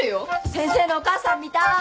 先生のお母さん見たーい。